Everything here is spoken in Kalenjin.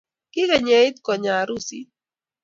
ki kenyeitkonya arusiit